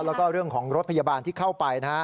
แล้วก็เรื่องของรถพยาบาลที่เข้าไปนะฮะ